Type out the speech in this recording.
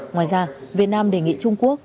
ngoài ra việt nam đề nghị trung quốc